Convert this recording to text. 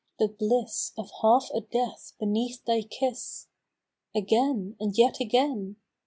The bliss of half a death beneath thy kiss ! Again, and yet again